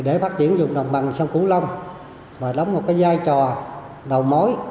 để phát triển dùng đồng bằng sông cửu long và đóng một giai trò đầu mối